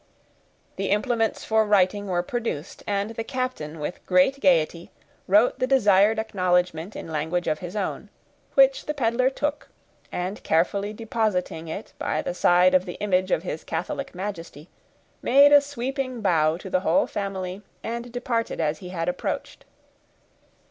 The implements for writing were produced, and the captain, with great gayety, wrote the desired acknowledgment in language of his own; which the peddler took, and carefully depositing it by the side of the image of his Catholic Majesty, made a sweeping bow to the whole family, and departed as he had approached.